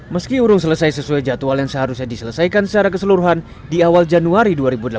meski urung selesai sesuai jadwal yang seharusnya diselesaikan secara keseluruhan di awal januari dua ribu delapan belas